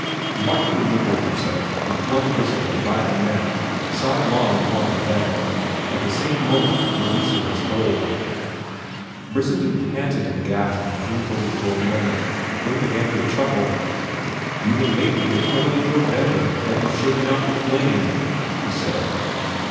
Martin remembered himself, and flung Brissenden, by the neck, sidelong upon the bed, at the same moment releasing his hold. Brissenden panted and gasped painfully for a moment, then began to chuckle. "You had made me eternally your debtor had you shaken out the flame," he said.